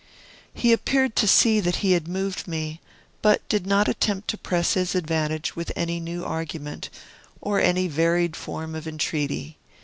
He appeared to see that he had moved me, but did not attempt to press his advantage with any new argument, or any varied form of entreaty.